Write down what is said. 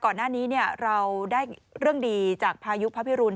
ก่อนหน้านี้เราได้เรื่องดีจากพายุพระพิรุณ